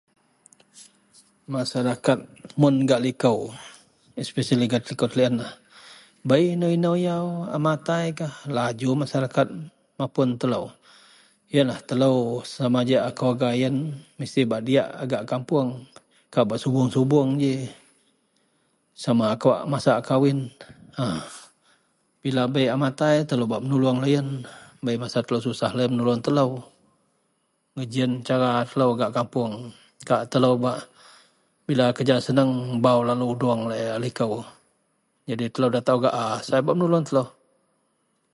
Maseraket mun gak likou especially gak likou Tellienlah, bei inou- inou yau a mataikah laju maseraket mapun telou, yenlah telou samaji a keluwarga yen mesti bak diyak gak a kapuong, kak bak subuong-subuong ji, sama kawak masa a kawin a, bila bei a matai telou bak menuluong loyen, bei masa telou susah loyen menuluong telou gejiyen cara telou gak a kapuong. Kak telou bak bila kerja seneng bau lalu uduong laei a likou jadi telou nda taao gak a sai a bak menuluong telou